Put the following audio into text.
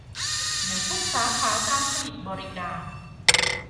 ในทุกสาขาการผลิตบริการ